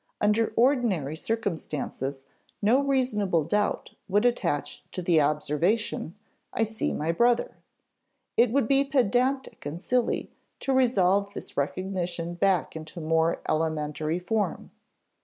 Under ordinary circumstances no reasonable doubt would attach to the observation, "I see my brother"; it would be pedantic and silly to resolve this recognition back into a more elementary form.